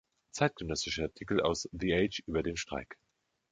Zeitgenössische Artikel aus „The Age“ über den Streik